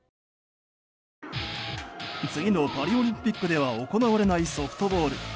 次のパリオリンピックでは行われないソフトボール。